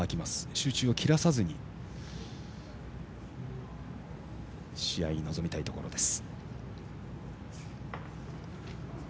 集中を切らさないように試合に臨みたいところです。